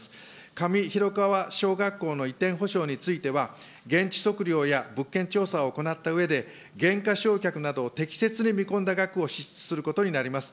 上広川小学校の移転補償については、現地測量や物件調査を行ったうえで、減価償却などを適切に見込んだ額を支出することになります。